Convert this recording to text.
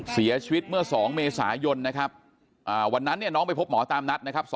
เสียชีวิตเมื่อ๒เมษายนนะครับวันนั้นเนี่ยน้องไปพบหมอตามนัดนะครับ